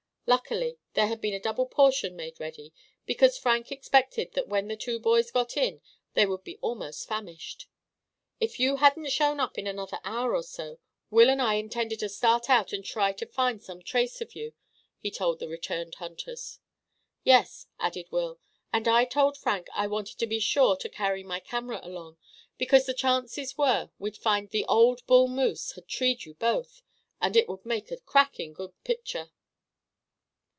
Luckily there had been a double portion made ready, because Frank expected that when the two boys got in they would be almost famished. "If you hadn't shown up in another hour or so, Will and I intended to start out and try to find some trace of you," he told the returned hunters. "Yes," added Will, "and I told Frank I wanted to be sure to carry my camera along, because the chances were we'd find that the old bull moose had treed you both, and it would make a cracking good picture!"